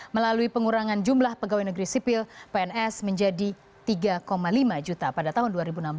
melalui pengurangan jumlah pegawai negeri sipil pns menjadi tiga lima juta pada tahun dua ribu enam belas